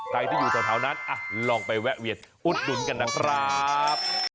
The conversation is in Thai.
ใครที่อยู่ตรงเท้านั้นลองไปแวะเวียดอุดดุลกันนะครับ